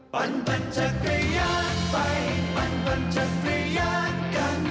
ปั่นจักรยานไปปั่นจักรยานกัน